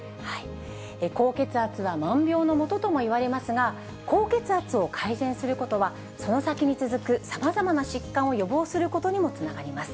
高血圧は万病のもとともいわれますが、高血圧を改善することは、その先に続くさまざまな疾患を予防することにもつながります。